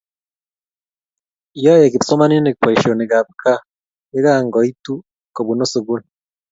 yoe kipsomaninik boisinik ab kaa ye kankoitu kobunuu sukul